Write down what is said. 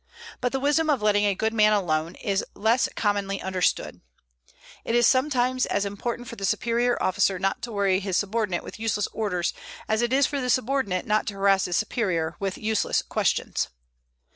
But the wisdom of letting a good man alone is less commonly understood. It is sometimes as important for the superior officer not to worry his subordinate with useless orders as it is for the subordinate not to harass his superior with useless questions.